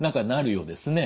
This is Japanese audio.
そうですね。